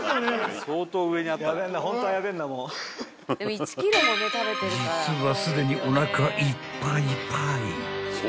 ［実はすでにおなかいっぱいぱい］